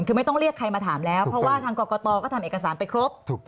คือไม่ต้องเรียกใครมาถามแล้วเพราะว่าทางกรกตก็ทำเอกสารไปครบ